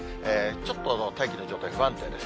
ちょっと大気の状態、不安定です。